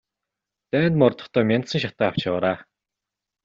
Дайнд мордохдоо мяндсан шатаа авч яваарай.